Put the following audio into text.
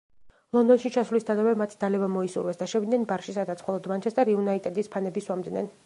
ლონდონში ჩასვლისთანავე მათ დალევა მოისურვეს და შევიდნენ ბარში სადაც მხოლოდ მანჩესტერ იუნაიტედის ფანები სვამდნენ.